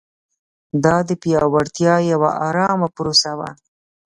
دا د پیاوړتیا یوه ارامه پروسه وه.